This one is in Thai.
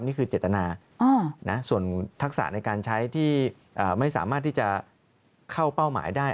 นี่คือเจตนาส่วนทักษะในการใช้ที่ไม่สามารถที่จะเข้าเป้าหมายได้